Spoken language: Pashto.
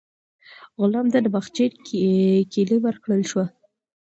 غلام ته د باغچې کیلي ورکړل شوه.